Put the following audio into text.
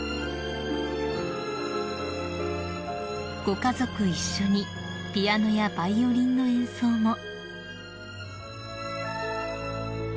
［ご家族一緒にピアノやバイオリンの演奏も］